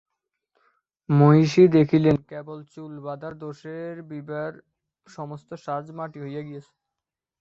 মহিষী দেখিলেন, কেবল চুল বাঁধার দোযে বিভার সমস্ত সাজ মাটি হইয়া গিয়াছে।